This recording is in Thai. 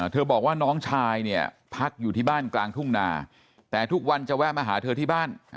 บอกว่าน้องชายเนี่ยพักอยู่ที่บ้านกลางทุ่งนาแต่ทุกวันจะแวะมาหาเธอที่บ้าน